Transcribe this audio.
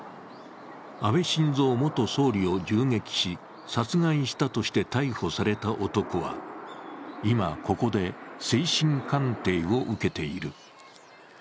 安倍晋三元総理を銃撃し殺害したとして逮捕された男は今、ここで精神鑑定を受けている。